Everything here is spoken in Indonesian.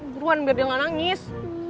buruan biar dia gak nangis